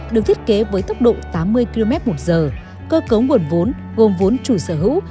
được thiết kế với tốc độ tám mươi km một giờ cơ cấu nguồn vốn gồm vốn chủ sở hữu